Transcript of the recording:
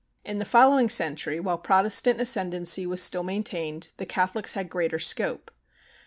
In the following century, while Protestant ascendancy was still maintained, the Catholics had greater scope.